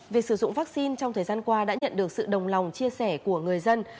việc sử dụng vaccine trong thời gian qua đã nhận được sự đồng lòng chia sẻ của người dân